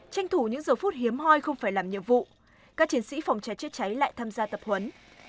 tranh thủ những giờ phút hiếm hoi không phải làm nhiệm vụ các chiến sĩ phòng cháy chữa cháy lại tham gia tập huấn